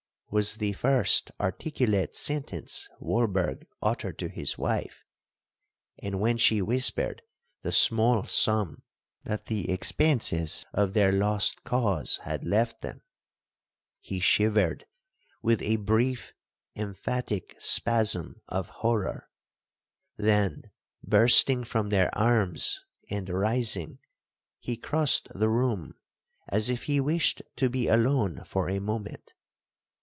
was the first articulate sentence Walberg uttered to his wife; and when she whispered the small sum that the expences of their lost cause had left them, he shivered with a brief emphatic spasm of horror,—then bursting from their arms, and rising, he crossed the room, as if he wished to be alone for a moment.